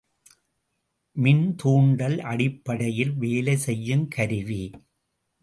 மின்தூண்டல் அடிப்படையில் வேலை செய்யுங் கருவி.